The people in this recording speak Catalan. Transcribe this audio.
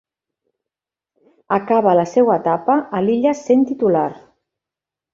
Acaba la seua etapa a l'illa sent titular.